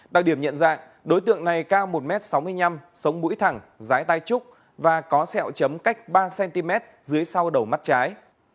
đặc điểm nhận dạng đối tượng này cao một m sáu mươi năm sống mũi thẳng rái tai trúc và có sẹo chấm cách ba cm dưới sau đầu mắt trái